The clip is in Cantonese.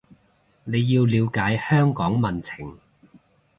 你要了解香港民情